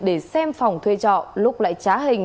để xem phòng thuê trọ lúc lại trá hình